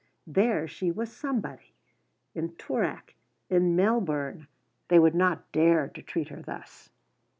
There she was somebody; in Toorak, in Melbourne, they would not dare to treat her thus.